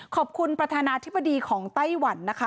ประธานาธิบดีของไต้หวันนะคะ